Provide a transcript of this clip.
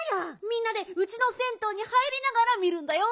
みんなでうちの銭湯に入りながら見るんだよ。